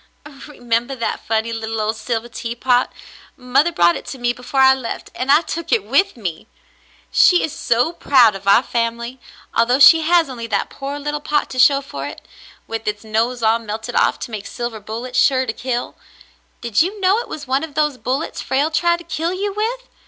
"Remember that funny little old silver teapot. Mother brought it to me before I left, and I took it with me ! She is so proud of our family, although she has only that poor little pot to show for it, with its nose all melted off to make silver bullets sure to kill. Did you know it was one of those bullets Frale tried to kill you with